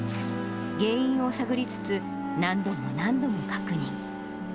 原因を探りつつ、何度も何度も確認。